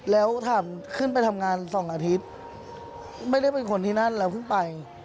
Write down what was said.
แล้วถามขึ้นไปทำงาน๒อาทิตย์ไม่ได้เป็นคนที่นั่นแล้วเพิ่งไป